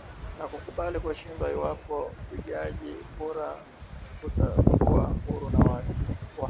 na kukubali kushindwa iwapo upigaji kura utakuwa huru na wa haki